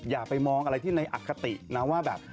อย่าไปมองอะไรที่ในอคตินะว่าแบบ